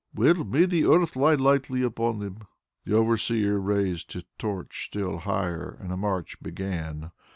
"Well, may the earth lie lightly upon them." The overseer raised his torch still higher and the march began.